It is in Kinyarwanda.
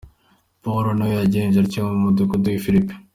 Pawulo nawe yagenje atyo mu mudugudu w’i Filipi.